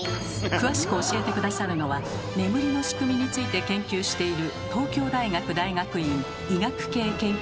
詳しく教えて下さるのは眠りのしくみについて研究している